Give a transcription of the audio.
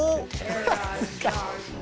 恥ずかしい！